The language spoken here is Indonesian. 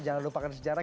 jangan lupakan sejarah